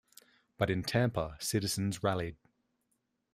But in Tampa citizens rallied.